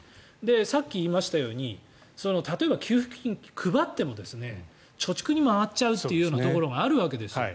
さっき言いましたように給付金を配っても貯蓄に回っちゃうというところがあるわけですよ。